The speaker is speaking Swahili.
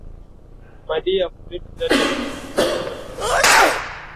madii ya foleti ndani ya viazi lishe hufanya meno kuwa imara